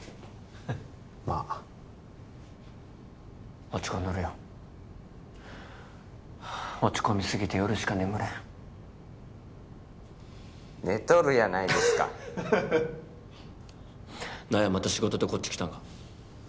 まあ落ち込んどるよ落ち込みすぎて夜しか眠れん寝とるやないですか何やまた仕事でこっち来たんか？